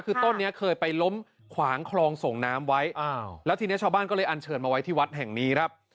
คือต้นนี้เคยไปล้มขวางคลองส่งน้ำไว้อ้าวแล้วทีนี้ชาวบ้านก็เลยอันเชิญมาไว้ที่วัดแห่งนี้ครับ